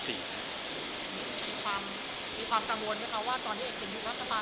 มีความกังวลไหมคะว่าตอนนี้ก็คือยุครัฐธรรมทหาร